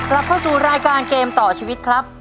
แล้วก็สู่รายการเกมต่อชีวิตครับ